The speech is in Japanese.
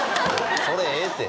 それええって。